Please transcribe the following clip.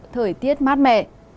thời tiết mát mẻ